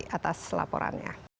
terima kasih laporannya